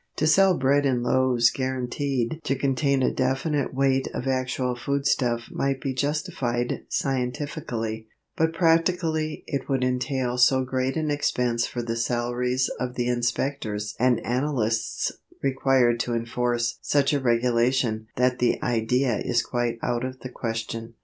To sell bread in loaves guaranteed to contain a definite weight of actual foodstuff might be justified scientifically, but practically it would entail so great an expense for the salaries of the inspectors and analysts required to enforce such a regulation that the idea is quite out of the question.